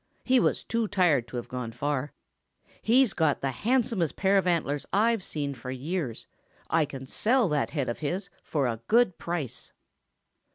He was too tired to have gone far. He's got the handsomest pair of antlers I've seen for years. I can sell that head of his for a good price."